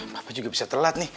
bapak juga bisa telat nih